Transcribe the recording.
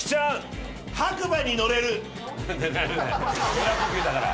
えら呼吸だから。